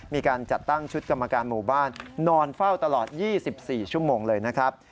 มีการจัดตั้งชุดกรรมการหมู่บ้านนอนเฝ้าตลอด๒๔ชั่วโมงเลยนะครับ